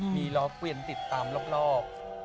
มีล้อเกวียนติดตามรอบ